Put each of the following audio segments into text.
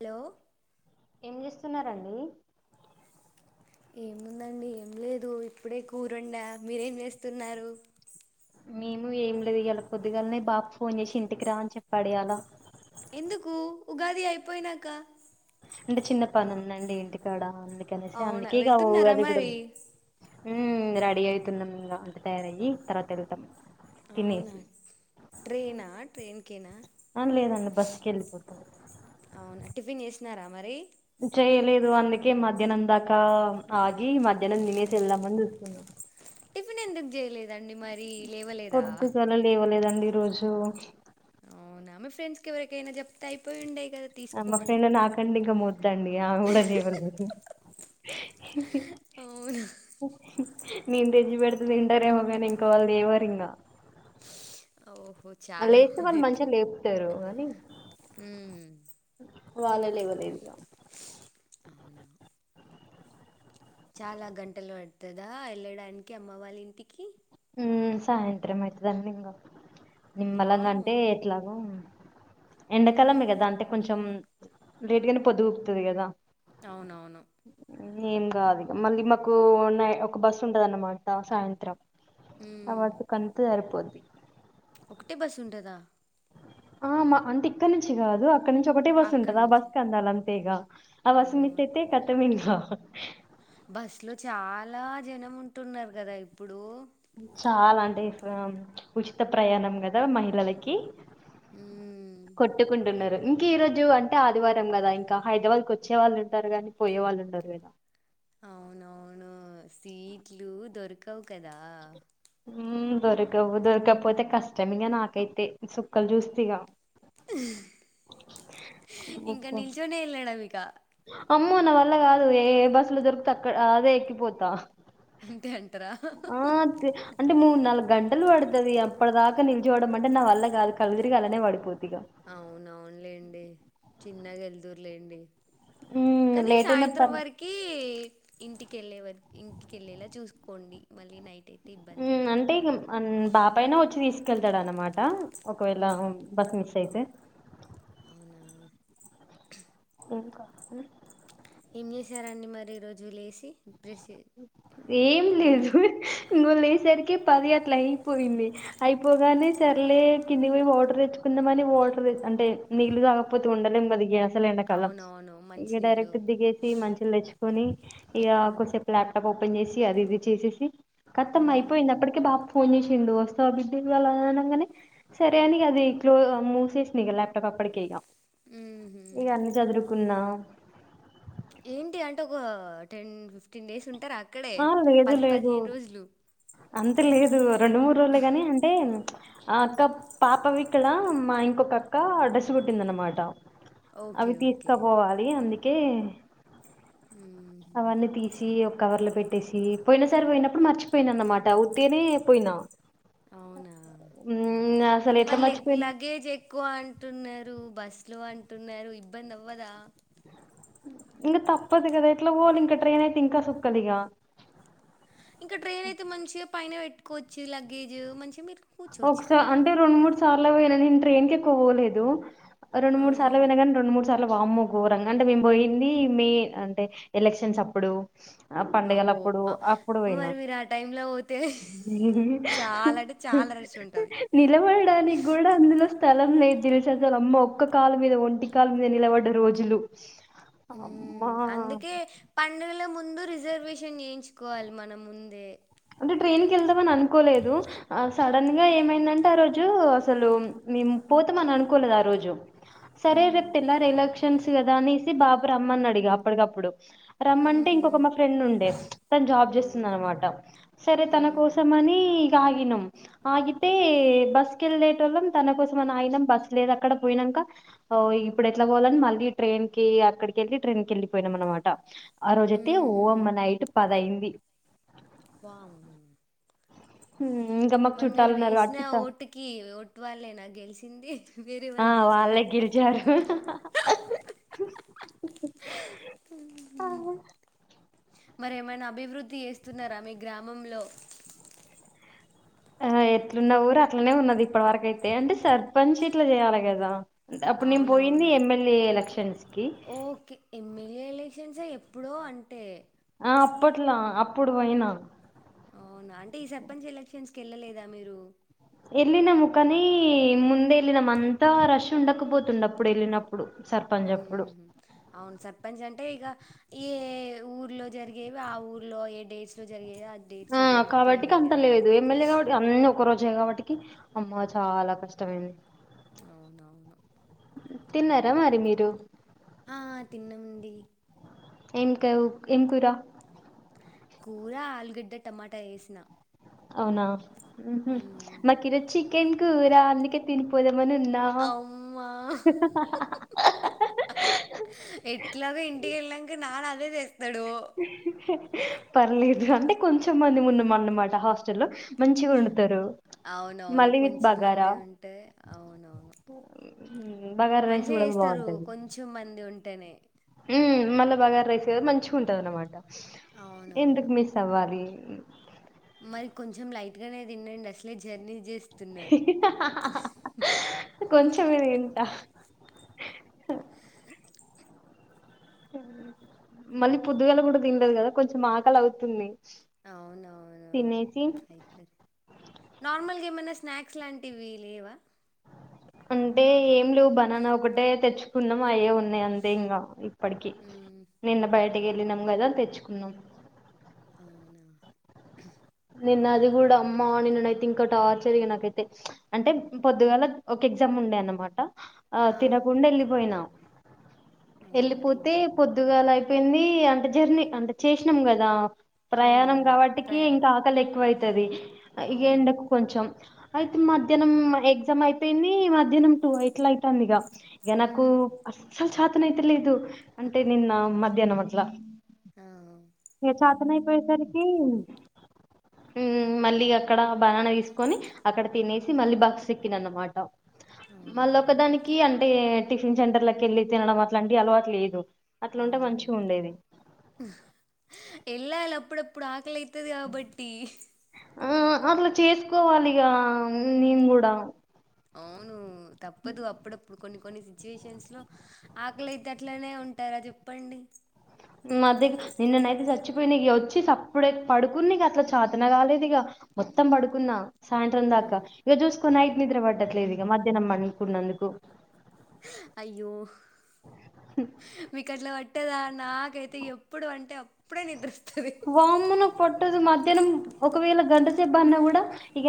Hello ఏం చేస్తున్నారండి ఏముందండి ఏం లేదు ఇప్పుడే కూరండా మీరేం చేస్తున్నారు మేము ఏం లేదు ఇగల పోద్దుగాలనే బాబు ఫోన్ చేసి ఇంటికి రా అని చెప్పాడు ఇవాళ ఎందుకు ఉగాది అయిపోయినాక అంటే చిన్న పని ఉందండి ఇంటికాడ అందుకనేసి అవునా అందుకే ఇగ వెళ్తున్నారా ఉగాది అపుడు మరి హ్మ్ రెడీ అయితున్నాం ఇంగా ఇంటికాడ ఎల్లి తర్వాత వెళ్తాం అవునా తినేసి ట్రైనా ట్రైన్కేనా ఆ లేదండి బస్కి వెళ్ళిపోతాం అవునా టిఫిన్ చేసినారా మరి చేయలేదు అందుకే మధ్యాహ్నం దాకా ఆగి మధ్యలో తినేసి వేల్దామని చూస్తున్నా టిఫెన్ ఎందుకు చేయలేదండి మరి లేవలేదా పొద్దుగాలే లేవలేదండి ఈరోజు అవునా మీ ఫ్రెండ్స్ కి ఎవరికైనా జోప్తే ఆయిపోయిండే మా ఫ్రెండ్ నాకంటే ఇక మోద్దండి ఆమె కూడా లేవలేదు అవునా నేను తెచ్చి పేడతే తింటారుమోగాని ఇంకా లేవారు ఇంకా ఓహో చాలా లేస్తే వాళ్ళు మంచిగా లేపుతారు హ్మ్ వాళ్ళే లేవలేదుగా అవునా చాలా గంటలు పడుతాద వెళ్ళడానికి అమ్మ వాళ్ళ ఇంటికి హ్మ్ సాయంత్రం అయితాదండి ఇంకా నిమ్మలంగా వామ్మో అంటే ఎట్లాగో ఎండకాలమే కదా అంటే కొంచెం లేట్ గానే పొద్దుపుడతాది కదా అవునవును మళ్ళీ మాకు ఉన్నా ఒక బస్ ఉంటాద అన్నమాట సాయంత్రం ఆ హ్మ్. వర్క్ కీ అంతే పడతాది ఒకటే బస్ ఉంటాద అంటే ఇక్కడి నుంచి కాద ఇక్కడ నుంచి ఒకటే బస్సు ఉంటద అక్కడి ఆ నుంచి బస్ కి వెళ్ళాల అంతే ఇక ఆ బస్ అమ్మో! మిస్ అయితే కతమే ఇంకా బస్సు లో చాలా జనం ఉంటున్నారు కదా ఇప్పుడు చాలా అంటే ఉచిత ప్రయాణం కదా మహిళలకి హ్మ్. కొట్టుకుంటున్నారు ఇంకా ఈ రోజు అంటే ఆదివారం కదా ఇంకా హైదరాబాద్ కు వచ్చే వాళ్ళు ఉంటారు గాని పోయే వాళ్ళు ఉండరు కదా అవునవును సీట్లు దొరకవు కదా దొరక దొరకపోతే కష్టం ఇంగా నాకైతే సుక్కలు చూస్తా ఇగా ఇంకా బుక్కు నిల్చొనే వెళ్ళడం ఇకా అమ్మో నా వల్ల కాదు ఏ బస్సులు దొరికితే అక్క అదే ఎక్కిపోతా అంతే అంటరా? ఆ పు అంటే మూ నాలుగు గంటలు పడుతాది ఇగ అప్పటి దాకా నిల్చడం అంటే నా వల్ల కాదు కల్లు తిరిగి అలానే పడిపోద్ది ఇగా అవున అవును లేండి చిన్నగా వెల్దురులేండి మ్మ్ కానీ లేట్ అయినా సాయంత్రం పర్ వరకి ఇంటి కెళ్ళే వరకి ఇంటికెళ్ళేలా చూసుకోండి మళ్ళీ నైట్ అయి మ్మ్ అంటే ఇగ బాపయినా వచ్చి తీసుకెళ్తాడు అనమాట ఒకవేళ ఉమ్ బస్ మిస్ అయితే ఆ ఇంకా ఏం చేశారండి మరి ఈ రోజు లేసి బ్రష్ చే- ఏం ఓన్లీ లేదు నిను వేళ్ళేసరికి పది గట్ల అయిపోయింది అయిపోగానే సర్లే కింది మేము వాటర్ తెచ్చుకొ అంటే నీళ్ళు తాగాకపోతే ఉండలేము [unintelligible] అసలు ఎండకాలం అవునవును ఇక మంచినీళ్ళు డైరెక్ట్ దిగేసి మంచలు తెచ్చుకొని ఇగ కొసేపు ల్యాప్టాప్ ఓపెన్ చేసి అది ఇది చేసేసి కత్తం అయిపోయిందప్పటికే బాప్ ఫోన్ చేసిండు వస్త బిడ్డ వాళ్ళ అనగానే సరే అనికి అది క్ మూసేసింది ఇక ల్యాప్టాప్ ప్పటికే ఇగా ఉహు అన్ని చదురుకున్నా ఏంటి అంటే ఒక టెన్ ఫిఫ్టీన్ డేస్ ఉంటారా అక్కడే ఆ లేదు పది లేదు పదిహేను రోజులు అంత లేదు రెండు మూడు రోజులే కాని అంటే ఆ అక్క పాపవి ఇక్కడ మా ఇంకొక అక్క డ్రెస్ కుట్టింద అనమాట ఓకే అవి ఓకే తీసుక పోవాలి అందుకే ఉహు అవన్నీ తీసి ఒక కవర్ లో పెట్టేసి పోయిన సరి పోయినప్పుడు మర్చిపో పోయిన అన్నమాట ఊతేనే పోయినా ఉమ్, అసలు ఎట్లా మరి లే మర్చిపోయిన లగేజ్ ఎక్కువ అంటే బస్సులో అంటున్నారు ఇబ్బంది అవ్వదా ఇంకా తప్పదు కదా ఎట్లా ఓవాలి ఇంకా ట్రైన్ అయితే ఇంకా సుక్కలిగా ఇంకా ట్రైన్ అయితే మంచిగా పైన పెట్టుకోవచ్చు లగేజ్ మంచిగా మీరు కూర్చోవచ్చు ఒకసార్ కదా అంటే రెండు మూడు సార్లు పోయినా నేను ట్రైన్ కె పోవలేదు ఒ రెండు మూడు అవునా సార్లు ఓయినగాని రెండు మూ చాలా వాము ఘోరంగా అంటే మేము పోయింది మే అంటే ఎలక్షన్స్ అప్పుడు ఆ అవు పండగలఅప్పుడు ఆ అప్పుడు పోయినా మరి మీరు ఆ టైంలో పోతే చాలా అంటే చాలా రష్ ఉంటది నిలబడడానికి కూడా అందులో స్థలం లేదు తెలుసాసలు అమ్మ ఒక్క కాాల మీద ఒంటి కాల మీద నిలబడ్డ రోజులు అమ్మా! అందుకే పండగల ముం దు రిజర్వేషన్ చేయించుకోవాలి మన ముందే అంటే ట్రైన్ క వెళ్దామని అనుకోలేదు సడన్ గా ఏమైందంటే ఆ రోజు అసలు మేము పోతామని అనుకోలేదు ఆ రోజు సరే ఉమ్ రేప్ తెల్లారి ఎలక్షన్స్ కదా అనేసి బాపు రమ్మన్న డిగా అప్పటికప్పుడు రమ్ అంటే ఉహు ఇంకొక మా ఫ్రెండ్ ఉండే తను జాబ్ ఉమ్ చేస్తుండే అనమాట సరే తన ఉహు కోసం అని ఇగ ఆగినమ్ ఆగితే బస్ కి వెళ్లేటోళ్లం తన కోసం అని ఆగినం బస్ లేదు అక్కడ పోయినా నమ్కా ఓ ఇప్పుడు ఎట్లా పోవాలని మళ్ళీ ట్రైన్ కి అక్కడికి వెళ్ళి ట్రైన్ కి వెళ్ళిపోయినాం అనమాట ఆ రోజయితే ఓ ఉహు అమ్మ నైట్ పదయింది బము ఉమ్ మరి మీరు వేసిన ఓటుకి ఓటు వాళ్ళే నా గెలిచింది వేరే వాళ్ళు గెలిచిండా గె లిచారు మరేమైనా అభివృద్ధి చేస్తున్నారా మీ గ్రామంలో ఆ ఎట్లున్న ఊరు అట్లనే ఉన్నది ఇప్పటి వరకయితే అంటే సర్పంచ్ ఇట్లా చేయాలి కదా అప్పుడు నేను పోయింది అవునవును ఎమ్మెల్యే ఎలక్షన్స్ కి సెన్సె ఎప్పుడో అంటే ఆ అప్పట్లా అప్పుడు పోయినా అవునా అంటే ఈ సర్పంచ్ ఎలక్షన్స్ కి వెళ్ళలేదా మీరు వెళ్ళినాము కానీ ముందె వెళ్ళినామ్ అంతా రష్ ఉండకపోతుండ అప్పుడు వెళ్ళినప్పుడు సర్పంచ్ ఉ అప్పుడు అవును సప్పంచ్ అంటే ఇగ ఏ ఊర్లో జరిగేవి ఆ ఊర్లో ఏ డేస్ లో జరిగేవి అది ఆ కాబట్టి కి అంత లేదు ఎమ్మెల్యే కాబట్టి అన్ని ఒక రోజు జే కాబట్టికి అమ్మ చాలా కష్టమైత ది అవునవును తిన్నారా మరి మీరు ఆ తిన్నామ్డి ఎంకా వ్ ఏం కురా కూర ఆలుగడ్డ టమాటా వేసిన్ అవునా ఉహు మకి ఈరోజ్ చికెన్ కూర అందుకే తిని పోదం మని ఉన్నా అమ్మా ఎట్లాగో ఇంటికి వెళ్ళినంక నాన్న అదే చేస్తాడు పర్లేదు అంటే కొంచంమంది ఉన్నాం అన్నమాట హాస్టల్లో మంచిగ వండుతారు. అవునవును మళ్ళీ విత్ బగారా కొంచెంమంది ఉంటే అవునవును మ్, బగారా రైస్ మంచిగా కూడా చేస్తారు బాగుంటది కొంచెం మంది ఉంటేనే ఉమ్ మళ్ళా బగార రైస్ మంచిగా ఉంటది అనమాట ఎందుకు అవునవును మిస్ అవ్వాలి మ్ మరి కొంచెం లైట్ గానే తిండండి అసలే జర్నీ చేస్ కొంచంమే వింటా మళ్ళీ పొద్దుగాల కూడా తిన్లేదు కదా కొంచెం ఆకలవుతుంది. అవునవును అయితరి నార్మల్ గేమ్ స్నాక్స్ లాంటివి లేవా? అంటే ఏం లేవు బనాన ఒకటే తెచ్చుకున్నాం అయే ఉన్ అంతే ఇంగా ఇప్పటికి మ్మ్ నిన్న హ్మ్ బయటకి వెళ్ళినం గదా తెచ్చుకున్నాం. అవునా నిన్న అది కూడా అమ్మో నిన్ననుయితే ఇంకా టార్చరిగా నాకైతే ప్చ్ అంటే పొద్దుగాల ఒక ఎగ్జామ్ ఉం ఉండే అనమాట ఆ తినకుండా వెళ్ళిపోయినా. అయ్యో వెళ్ళిపోతే ఎగ్ పొద్దుగాల ఐపేంది అంటే జర్నీ అంటే చేసినం గదా ప్రయాణం అవునవును కాబట్టికి ఇంకా ప్రయాణం ఆకలి ఎక్కువైతది ఇగ అవును ఎండకు కొంచెం అయితే మధ్యానం ఎగ్జామ్ ఐపేంది మధ్యానం టూ ఇట్లా అయితాంది ఇగ ఇగ నాకు మ్మ్ అస్సలు చాతన ఐతలేదు అంటే నిన్న మధ్యానం అట్ల ఆ ఏ చేతనయిపోయేసరికి ఉమ్ మళ్ళీ అక్కడ బనానా తీసుకొని అక్కడ తినేసి మళ్ళీ బస్ ఎక్కిన అనమాట. మళ్ళ అవునా ఒక్కదానికి అంటే టిఫిన్ సెంటర్లకి వెళ్ళి తినడం అట్లాంటి అలవాట్ లేదు. అట్ల ఉంటే మంచిగా అవునవును ఉండేది. వెళ్ళాలి అప్పుడప్పుడు ఆకలి ఐతది కాబట్టి ఆ అట్లా చేసుకోవాలిగా నేన్ గూడా అవును తప్పదు అప్పుడప్పుడు కొన్ని కొన్ని సిచ్యువేషన్స్ లో ఆకలైతే అట్లనే ఉంటారా చెప్పండి. మది నిన్ననైతే చచ్చిపోయిన ఇక వచ్చి అప్పుడే పడుకున్న ఇక అట్లా చాతన కాలేదు ఇగ మొత్తం బడుకున్నా. సాయంత్రం ఆ దాకా ఇక ఆ చూసుకోని నైట్ నిద్ర పడ్డట్లేదుది ఇక మధ్యాహ్నం అంకున్నందుకు అయ్యో మీ కట్లా బ అట్టేదా నాకైతె ఎప్పుడు పంటే అప్పుడే నిద్ర స్ వామును పట్టదు మధ్యాహ్నం ఒకవేళ గంటసేబ్బన్నా కూడా ఇక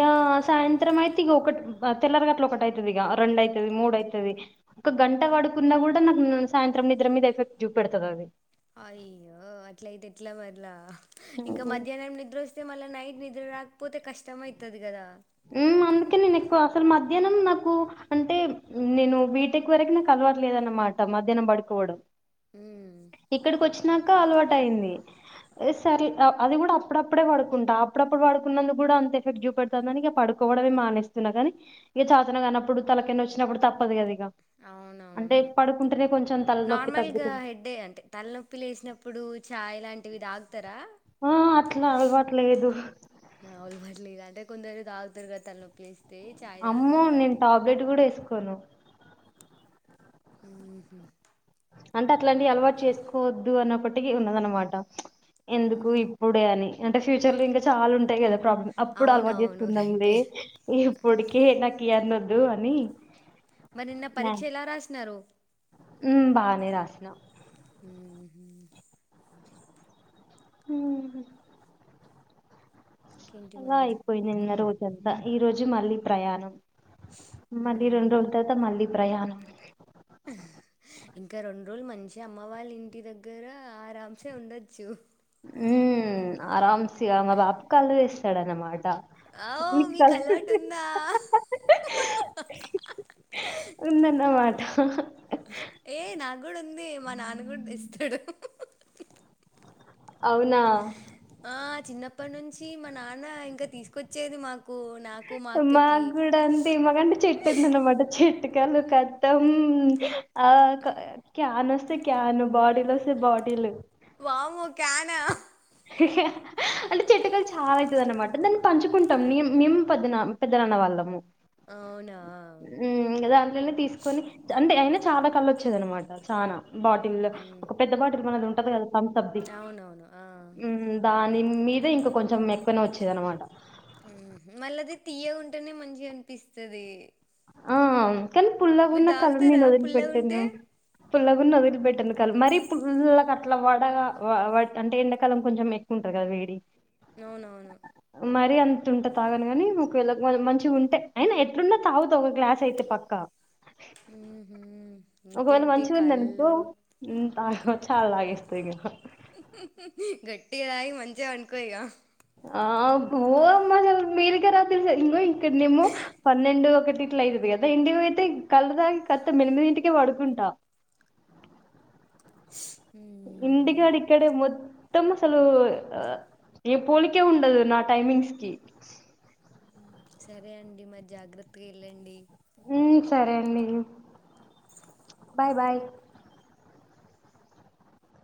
సాయంత్రం అయితే ఇక ఒకటి తెల్లర గట్ల ఒకటి అయితది ఇగ రెండెయితది మూడుఅయితది ఒక గంట పడుకున్నా కూడా నాకు సాయంత్రం నిద్ర మీద ఎఫెక్ట్ చూపెడుతాది అది అయ్యో అట్ల అయితే ఎట్లా మట్లా ఇంకా అది మధ్యానం నిద్ర వస్తే మళ్ళా నైట్ నిద్ర ఇగ రాక్పోతే కష్టమయితది కదా ఉమ్ అందుకే నేను ఎక్కువ అసలు మధ్యానం నాకు అంటే నేను బీటెక్ వరకు నాకు అ అలవాట్లేదన్నమాట మధ్యానం పడుకోవడం ఉమ్ ఇక్కడికి వచ్చి నాక అలవాటు అయింది. సర్ అది కూడా అప్పుడప్పుడే పడుకుంటా అప్పుడప్పుడు పడుకున్నందు కూడా అంత ఎఫెక్ట్ చూపెడతాంది అని ఇగ పడుకోవడమే మానేస్తున్నా కాని ఇక చాతన కానప్పుడు తలకెన్న వచ్చినప్పుడు తప్పదు కద ఇగ అంటే పడుకుం నార్మల్ గా హెడ్డే అంటే తలనొప్పి లేసినప్పుడు చాయ్ ఇలాంటివి దాగ్తార ఆ! అట్లా అలవాటు లేదు. ఔల్ పర్లే అంటే కొందరు దాగుతరు క తల్నొప్పి లేస్ అమ్మో నేను టాబ్లెట్ కూడా ఏసుకోను. ఉమ్ హు అంటే అట్లాంటివి అలవాటు చేసుకోవద్దు అన్నప్పటికీ ఉన్నద అనమాట ప్చ్ ఎందుకు ఇప్పుడే అని అంటే ఫ్యూచర్ లో ఇంకా చాలా ఉంటాయి కదా ప్రాబ్ం అప్పుడు అలవాటు అవునవును చేసుకుందాంలే రైటే ఇప్పటికే నాకు ఈ అన్నొద్దు అని. మరి నిన్న పరీక్ష ఎలా రాసినారు ఉ బానే రాసిన్ ఊహూ ఉహు ఇంకేంటి అలా మరి అయిపోయింది నిన్న రోజంతా ఈ రోజు మళ్ళీ ప్రయాణం మళ్ళీ రెండు మ్మ్. రోజుల తర్త మళ్ళీ ప్రయాణం అ ఇంకా రెండు రోజులు మంచి అమ్మ వాళ్ళ ఇంటి దగ్గర ఆరామ్సే ఉండొచ్చు ఉమ్ ఆరాంసిగా మా బా కళ్ళు తెస్తడన్నమాట ఔ మీకు అలవాటు ఉందా ఉందన్ మాట ఏ నా కూడ ఉంది మా నాన్న కూడా ఇస్తడు అవునా అప్పటి నుంచి మా నాన్న ఇంకా తీసుకొచ్చేది మాకు నాకు మా అక్కకి మాగూడా అంతే మాకంటే చెట్టు ఉందన్నమాట చెట్టు లు కతం ఆ క్యాన్ వస్తే క్యాన్ బాటీలు వస్తే బాటిల్లు వామ్మో కానా అంటే చెట్టుకలు చాలా అయితది అన్నమాట దాన్ని పంచుకుంటాం. మేం మేం పెద్దనా పెద్దనాన్న వాళ్ళము అవునా ఉమ్ దానలల్లో తీసుకొని అంటే అయినా చాలా కల్లు వచ్చేది అనమాట చాన బాటిల్ మ్మ్. ఒక పెద్ద బాటిల్ మనది ఉంటది కదా అవునవును ఆ మ్ దాని మీద ఇంకా కొంచెం ఎక్కువనే వచ్చేదినమాట ఉ మళ్ళ అది తీయకుంటేనే మంచిగ అనిపిస్తది ఆ కానీ పుల్లగున్న కల తాగుతారా నేను పుల్లగా ఉంటే వదిలిపెట్టిన్నా పుల్ల గున్న వదిలి పెట్టను క మరి పుల్లగ అట్లా వడ అంటే ఎండాకాలం కొంచెం ఎక్కువ ట కద వేడి అవునవును మరీ అంత ఉంటే తాగనుగాని ఒకవేళ మంచిగా ఉంటే అయినా ఎట్లున్నా తాగు ఒక గ్లాస్ అయితే పక్క హుహు ఇంకేంటి కళ్ళు హా చా లాగేస్తయిహా గట్టిగ తాయి మంచిగా పనుకో ఇగా ఆ ఓ అమ్మా అలు మీరుగా రా తెస ఇక్కడనేము పన్నెండు ఒకటి లేదుదు కదా ఇంటికి పోయితే కళ్ళుతాగి కత్తం ఎనిమెది ఇంటికే పడుకుంటా [unintelligible] స ఇంటికాడ ఇక్కడే మొత్తం అసలు ఏ పోలికే ఉండదు నా టైమింగ్స్ కి సరే అండి మరి జాగ్రత్తగా వెళ్ళండి ఊ సరే అండి బాయ్ బాయ్